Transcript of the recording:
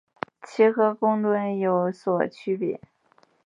其和公吨有所区别。